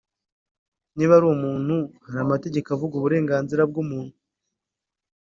niba ari umuntu hari amategeko avuga uburenganzira bw’umuntu